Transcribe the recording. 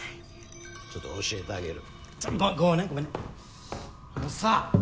ちょっと教えてあげる！